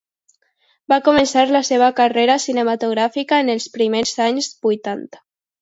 Va començar la seva carrera cinematogràfica en els primers anys vuitanta.